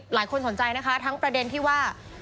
หลายคนสนใจนะคะทั้งประเด็นที่ว่า